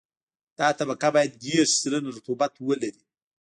دا طبقه باید دېرش سلنه رطوبت ولري